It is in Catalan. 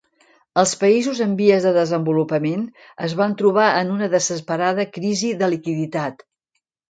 Els països en vies de desenvolupament es van trobar en una desesperada crisi de liquiditat.